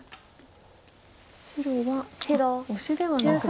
白はオシではなく。